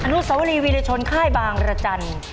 นุสวรีวิรชนค่ายบางรจันทร์